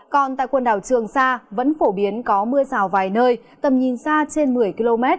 còn tại quần đảo trường sa vẫn phổ biến có mưa rào vài nơi tầm nhìn xa trên một mươi km